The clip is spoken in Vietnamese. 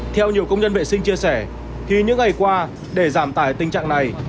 theo nhiều công nhân vệ sinh chia sẻ thì những ngày qua để giảm tải tình trạng này